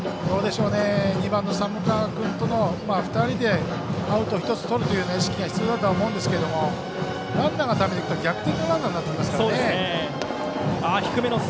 ２番の寒川君との２人でアウト１つとるという意識が必要だと思うんですがランナーがたまっていくと逆転のランナーになっていきますからね。